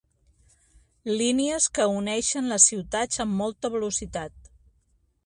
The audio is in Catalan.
Línies que uneixen les ciutats amb molta velocitat.